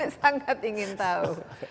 sangat ingin tahu